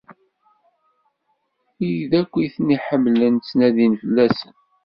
Wid akk i ten-iḥemmlen ttnadin fell-asen.